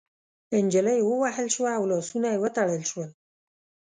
نجلۍ ووهل شوه او لاسونه يې وتړل شول.